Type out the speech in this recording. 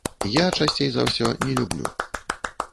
Я, часцей за ўсё, не люблю.